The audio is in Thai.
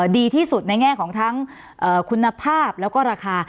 ดีที่สุดในแง่ของทั้งคุณภาพแล้วก็ราคา